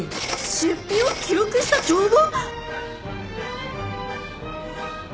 出費を記録した帳簿！？